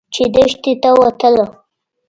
چې دښتې ته وتله.